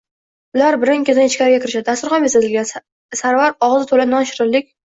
Ular birin ketin ichkariga kirishadi. Dasturxon bezatilgan. Sarvar ogzi tula non shirinlik..